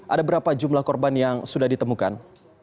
ada berapa jumlah korban yang sudah ditemukan